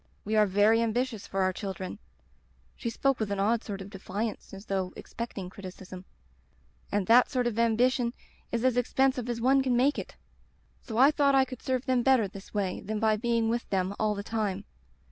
We are very ambitious for our children' — ^she spoke with an odd sort of defiance as though ex pecting criticism — *and that sort of ambition is as expensive as one can make it. So I thought I could serve them better this way than by being with them all the time.